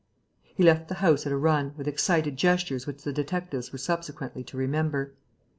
He left the house at a run, with excited gestures which the detectives were subsequently to remember.